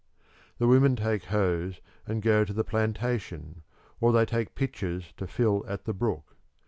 The women take hoes and go to the plantation, or they take pitchers to fill at the brook.